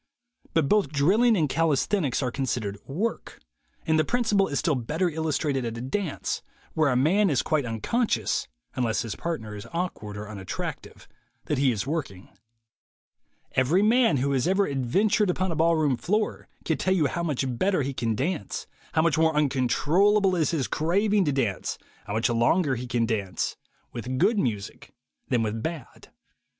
But both drill ing and calisthenics are considered "work," and the principle is still better illustrated at a dance, where a man is quite unconscious (unless his partner is awkward or unattractive) that he is working. Every man who has ever adventured upon a ball room floor can tell 370U how much better he can dance, how much more uncontrollable is his craving to dance, how much longer he can dance, with good music than with bad.